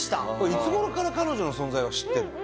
いつ頃から彼女の存在は知ってるの？